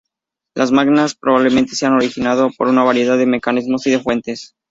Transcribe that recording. Los magmas probablemente se han originado por una variedad de mecanismos y de fuentes.